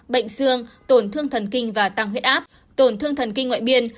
bệnh xương tổn thương thần kinh và tăng huyết áp tổn thương thần kinh ngoại biên